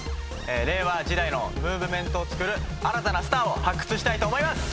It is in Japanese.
令和時代のムーブメントをつくる新たなスターを発掘したいと思います！